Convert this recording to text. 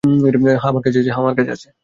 হ্যাঁ, আমার কাছে আছে।